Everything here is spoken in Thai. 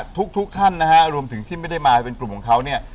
ทุกท่านนะฮะรวมถึงที่ไม่ได้มาเป็นกลุ่มของเขาเนี่ย